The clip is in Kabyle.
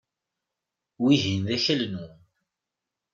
Wihin d akal-nwent.